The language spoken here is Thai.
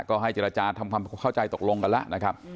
ก็ให้เจรจาทำความเข้าใจตกลงกันแล้วนะครับ